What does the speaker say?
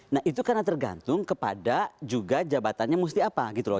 nah itu karena tergantung kepada juga jabatannya mesti apa gitu loh